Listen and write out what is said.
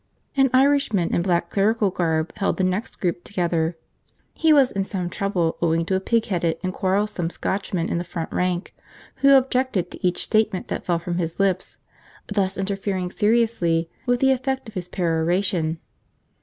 An Irishman in black clerical garb held the next group together. He was in some trouble, owing to a pig headed and quarrelsome Scotchman in the front rank, who objected to each statement that fell from his lips, thus interfering seriously with the effect of his peroration.